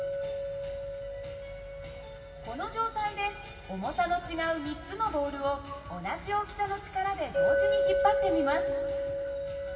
この状態で重さの違う３つのボールを同じ大きさの力で同時に引っ張ってみます。